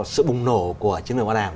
sự bùng nổ của chiến lược bảo đảm